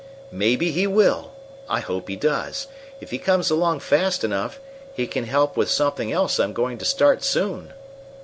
"Maybe he will! I hope he does. If he comes along fast enough, he can help with something else I'm going to start soon."